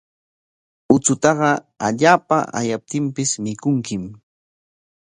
Uchutaqa allaapa ayaptinpis mikunkim.